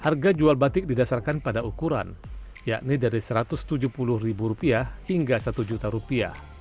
harga jual batik didasarkan pada ukuran yakni dari satu ratus tujuh puluh rupiah hingga satu juta rupiah